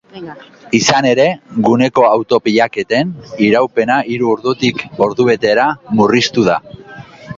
Izan ere, guneko auto-pilaketen iraupena hiru ordutik ordubetera murriztu da.